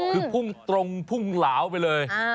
คือพุ่งตรงพุ่งเหลาไปเลย